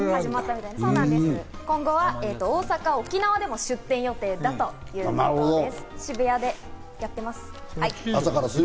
今後は沖縄などでも出店予定だということです。